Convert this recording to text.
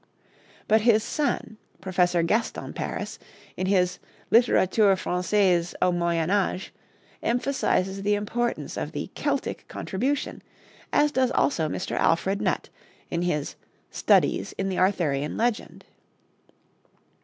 But his son, Professor Gaston Paris, in his 'Littérature Française au Moyen Age,' emphasizes the importance of the "Celtic" contribution, as does also Mr. Alfred Nutt in his 'Studies in the Arthurian Legend.'